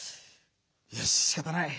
よししかたない。